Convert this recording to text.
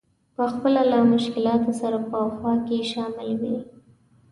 په خپله له مشکلاتو سره په خوا کې شامل وي.